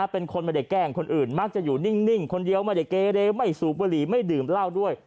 เป็นคนไม่ได้แกล้งคนอื่นมักจะอยู่นิ่งคนเดียวไม่ได้เกเรไม่สูบบุหรี่ไม่ดื่มเหล้าด้วย